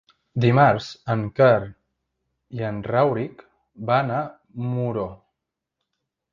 Dimarts en Quer i en Rauric van a Muro.